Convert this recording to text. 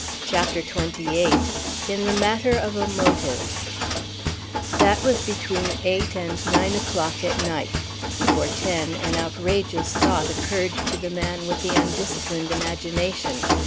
CHAPTER XXVIII IN THE MATTER OF A MOTIVE That was between eight and nine o'clock at night; before ten an outrageous thought occurred to the man with the undisciplined imagination.